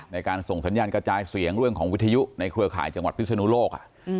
ในการส่งสัญญาณกระจายเสียงเรื่องของวิทยุในเครือข่ายจังหวัดพิศนุโลก